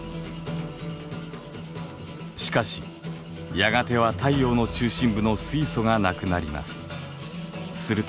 しかしやがては太陽の中心部の水素がなくなります。